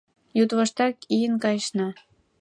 Йӱдвоштак ийын кайышна.